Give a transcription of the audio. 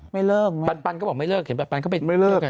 ไม่เลิกไหมปันก็บอกไม่เลิกเห็นปันเขาไปเลิกกัน